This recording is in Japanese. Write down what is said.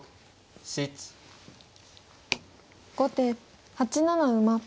後手８七馬。